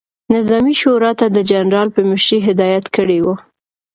نظامي شورا ته د جنرال په مشري هدایت کړی ؤ،